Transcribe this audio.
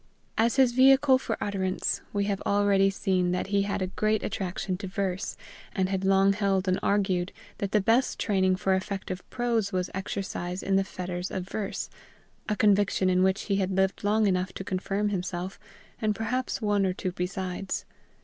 As his vehicle for utterance, we have already seen that he had a great attraction to verse, and had long held and argued that the best training for effective prose was exercise in the fetters of verse a conviction in which he had lived long enough to confirm himself, and perhaps one or two besides.